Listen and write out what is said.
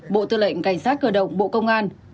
bộ tư lệnh cảnh sát cơ động bộ công an